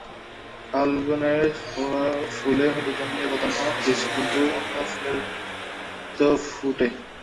ফাল্গুনের ফুলে হলুদ রঙের প্রাধান্য বেশি, কিন্তু অন্য রঙের ফুলও তো ফোটে।